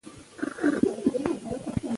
مرګ او ژوبله پکې ډېره وسوه.